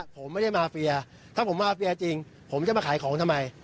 ผมไม่ได้มาเฟียถ้าผมมาเฟียจริงผมจะมาขายของทำไม